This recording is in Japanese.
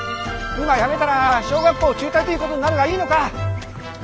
今やめたら小学校中退ということになるがいいのか？